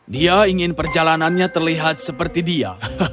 dia ingin perjalanannya terlihat seperti dia